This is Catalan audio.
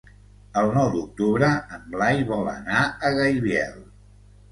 El nou d'octubre en Blai vol anar a Gaibiel.